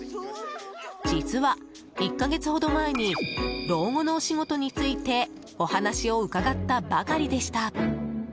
実は１か月ほど前に老後のお仕事についてお話を伺ったばかりでした。